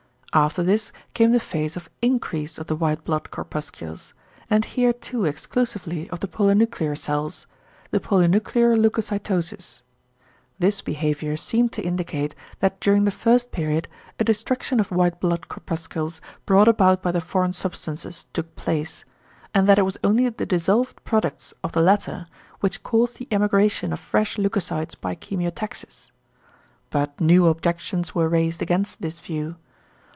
After this came the phase of increase of the white blood corpuscles; and here too exclusively of the polynuclear cells; the =polynuclear leucocytosis=. This behaviour seemed to indicate that during the first period a destruction of white blood corpuscles brought about by the foreign substances took place, and that it was only the dissolved products of the latter which caused the emigration of fresh leucocytes by chemiotaxis. But new objections were raised against this view.